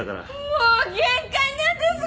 もう限界なんです！